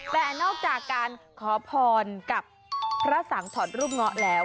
แต่นอกจากการขอพรกับพระสังถอดรูปเงาะแล้ว